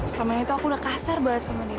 selama ini tuh aku udah kasar banget sama dia